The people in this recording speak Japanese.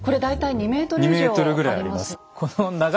２ｍぐらいあります。